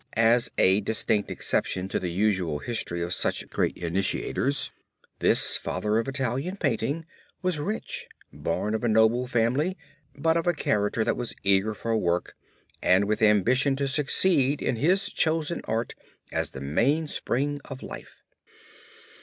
As a distinct exception to the usual history of such great initiators, this father of Italian painting was rich, born of a noble family, but of a character that was eager for work and with ambition to succeed in his chosen art as the mainspring of life.